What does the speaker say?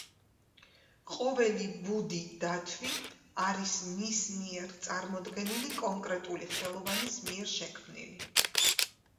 ყოველი ბუდი დათვი არის მის მიერ წარმოდგენილი კონკრეტული ქვეყნის ხელოვანის მიერ შექმნილი.